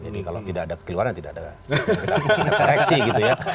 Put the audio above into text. jadi kalau tidak ada kekeliruan ya tidak ada koreksi gitu ya